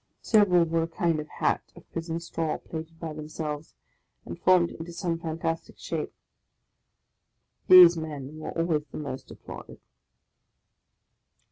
Several wore a kind of hat of prison straw, plaited by themselves, and formed into some fantastic shape; these men were always the most applauded.